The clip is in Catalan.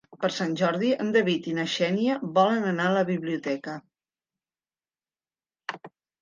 Per Sant Jordi en David i na Xènia volen anar a la biblioteca.